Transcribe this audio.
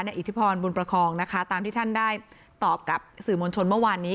อิทธิพรบุญประคองนะคะตามที่ท่านได้ตอบกับสื่อมวลชนเมื่อวานนี้